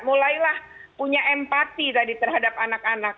mulailah punya empati tadi terhadap anak anak